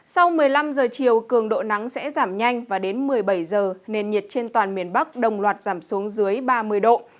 sau một mươi năm giờ chiều cường độ nắng sẽ giảm nhanh và đến một mươi bảy giờ nền nhiệt trên toàn miền bắc đồng loạt giảm xuống dưới ba mươi độ